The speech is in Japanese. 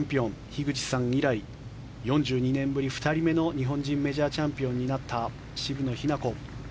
樋口さん以来４２年ぶり２人目の日本人メジャーチャンピオンになった渋野日向子。